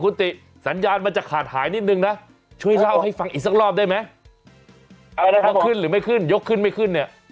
คุณติสัญญาณมันจะขาดหายนิดนึงนะช่วยเล่าให้ฟังอีกสักรอบได้ไหมอะไรถ้าขึ้นหรือไม่ขึ้นยกขึ้นไม่ขึ้นเนี่ย